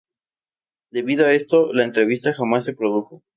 Debido a esto la entrevista jamás se produjo.